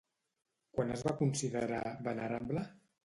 Quan es va considerar venerable?